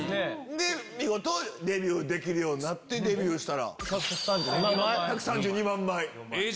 見事デビューできるようになってデビューしたら。